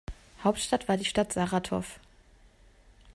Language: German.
Hauptstadt war die Stadt Saratow.